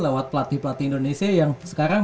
lewat pelatih pelatih indonesia yang sekarang